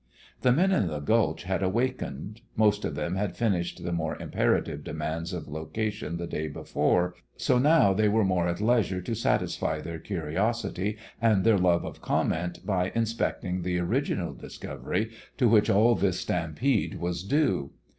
The men in the gulch had awakened. Most of them had finished the more imperative demands of location the day before, so now they were more at leisure to satisfy their curiosity and their love of comment by inspecting the original discovery to which all this stampede was due.